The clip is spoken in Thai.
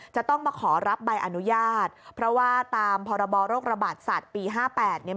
จะต้องมาขอรับใบอนุญาตเพราะว่าตามพรโรคระบาดสัตว์ปี๒๕๕๘